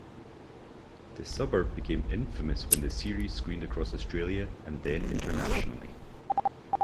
The suburb became infamous when the series screened across Australia and then internationally.